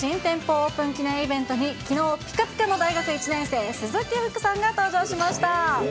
オープンイベントに、きのうぴかぴかの大学１年生、鈴木福さんが登場しました。